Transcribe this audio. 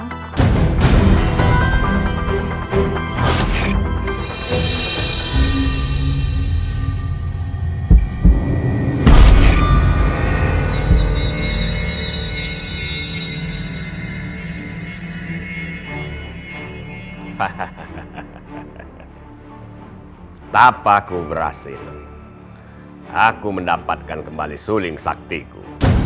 hai tak paku berhasil aku mendapatkan kembali suling saktiku